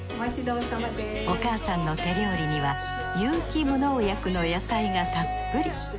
お母さんの手料理には有機無農薬の野菜がたっぷり。